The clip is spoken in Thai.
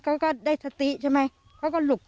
คุณผู้สายรุ่งมโสผีอายุ๔๒ปี